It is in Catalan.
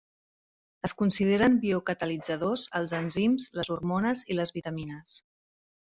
Es consideren biocatalitzadors els enzims, les hormones i les vitamines.